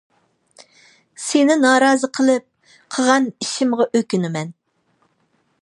سىنى نارازى قىلىپ قىلغان ئىشىمغا ئۆكۈنىمەن.